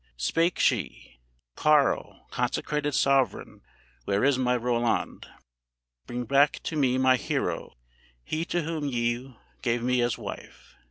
Spake she: 'Karl, consecrated sovereign, where is my Roland? Bring back to me my hero, he to whom you gave me as wife!